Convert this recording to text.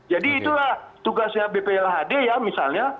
jadi itulah tugasnya bplhd ya misalnya